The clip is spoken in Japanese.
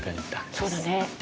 そうだね。